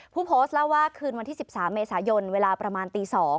ผู้โพสต์เล่าว่าคืนวันที่๑๓เมษายนเวลาประมาณตี๒